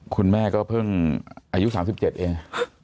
คุณแม่ก็เพิ่งอายุ๓๗เอง